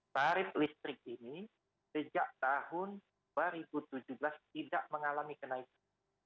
tarif listrik ini sejak tahun dua ribu tujuh belas tidak mengalami kenaikan